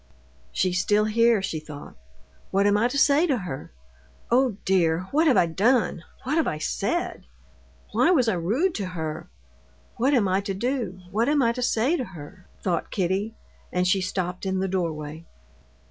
"She's still here," she thought. "What am I to say to her? Oh, dear! what have I done, what have I said? Why was I rude to her? What am I to do? What am I to say to her?" thought Kitty, and she stopped in the doorway.